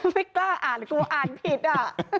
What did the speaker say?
ไม่กล้าอ่านกลัวอ่านผิดอ่ะ